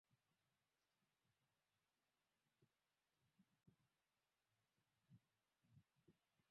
unaotokana na kilimo ikiwa ni pamoja na kuchoma ili kuandaa eneo la